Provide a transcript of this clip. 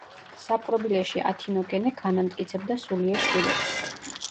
საპყრობილეში ათინოგენე განამტკიცებდა სულიერ შვილებს.